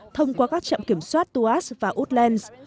thông qua các trạm kiểm soát tuas và udlands